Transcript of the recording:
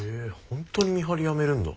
本当に見張りやめるんだ。